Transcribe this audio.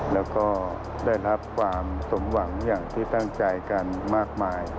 แล้วก็ได้รับความสมหวังอย่างที่ตั้งใจกันมากมาย